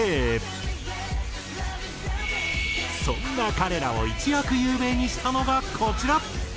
そんな彼らを一躍有名にしたのがこちら。